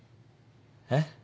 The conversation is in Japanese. えっ？